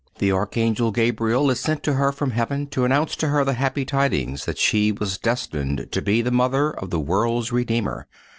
The Archangel Gabriel is sent to her from heaven to announce to her the happy tidings that she was destined to be the mother of the world's Redeemer.